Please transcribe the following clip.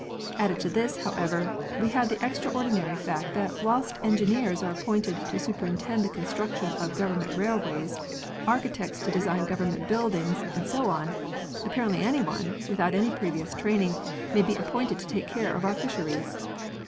Added to this, however, we have the extra ordinary fact that whilst engineers are appointed to superintend the construction of government rail ways, architects to design government buildings, and so on, apparently anyone, without any previous training, may be appointed to take care of our fisheries.